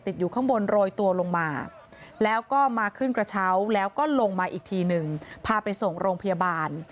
อยู่ข้างบนโรยตัวลงมาแล้วก็มาขึ้นกระเช้าแล้วก็ลงมาอีกทีหนึ่งพาไปส่งโรงพยาบาล